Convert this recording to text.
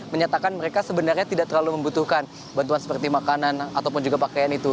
menyatakan mereka sebenarnya tidak terlalu membutuhkan bantuan seperti makanan ataupun juga pakaian itu